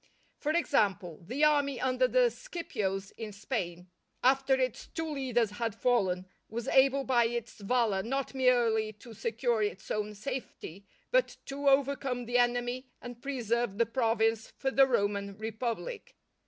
For example, the army under the Scipios in Spain, after its two leaders had fallen, was able by its valour not merely to secure its own safety, but to overcome the enemy and preserve the province for the Roman Republic.